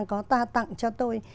có ta tặng cho tôi